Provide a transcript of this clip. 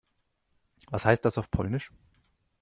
Was heißt das auf Polnisch?